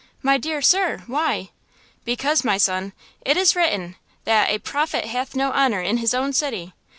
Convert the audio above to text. "My dear sir–why?" "Because, my son, it is written that 'a prophet hath no honor in his own city!'